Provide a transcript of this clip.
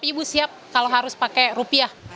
ibu siap kalau harus pakai rupiah